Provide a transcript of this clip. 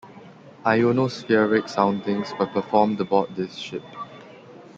Ionospheric soundings were performed aboard this ship.